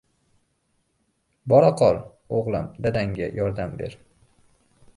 — Boraqol, o‘g‘lim, dadangga yordam ber.